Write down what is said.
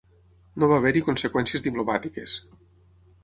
No va haver-hi conseqüències diplomàtiques.